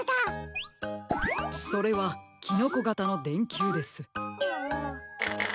それはキノコがたのでんきゅうです。